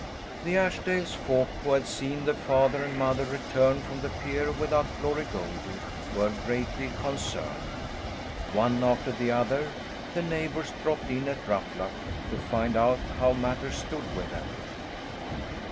The Ashdales folk who had seen the father and mother return from the pier without Glory Goldie were greatly concerned. One after the other, the neighbours dropped in at Ruffluck to find out how matters stood with them.